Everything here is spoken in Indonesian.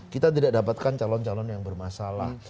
kita tidak dapatkan calon calon yang bermasalah